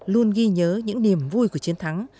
luôn ghi nhớ những niềm vui của chiến thắng